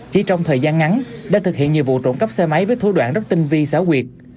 chỉ trong thời gian ngắn đã thực hiện nhiều vụ trộm cắp xe máy với thủ đoạn rất tinh vi xảo quyệt